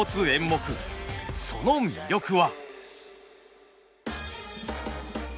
その魅力は！